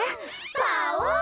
パオン！